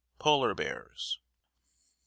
POLAR BEARS. 1.